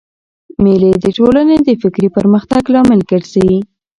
مېلې د ټولني د فکري پرمختګ لامل ګرځي.